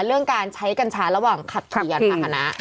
เรื่องการใช้กัญชาระหว่างขับขี่ยานพาหนะ